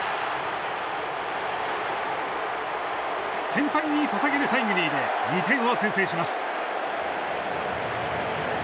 先輩に捧げるタイムリーで２点を先制します。